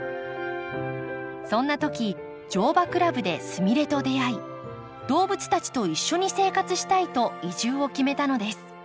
そんなとき乗馬クラブですみれと出会い動物たちと一緒に生活したいと移住を決めたのです。